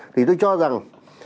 thì tôi cho rằng